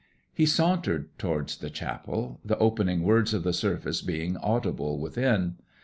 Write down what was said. He sauntered towards the chapel, the opening words of the service being audible within.